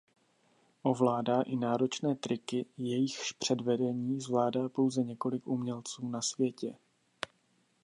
Ovládá i náročné triky jejichž předvedení zvládá pouze několik umělců na světě.